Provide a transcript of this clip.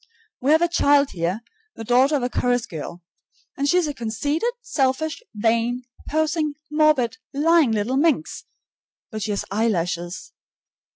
We have a child here, the daughter of a chorus girl, and she is a conceited, selfish, vain, posing, morbid, lying little minx, but she has eyelashes!